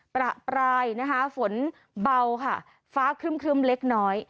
ประปรายนะคะฝนเบาค่ะฟ้าครึ่มเล็กน้อย